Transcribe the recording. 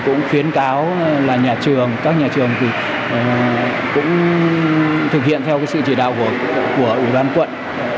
cũng khuyến cáo là các nhà trường cũng thực hiện theo sự chỉ đạo của ủy ban quận